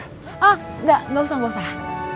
oh gak gak usah